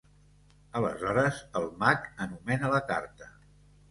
Aleshores el mag anomena la carta.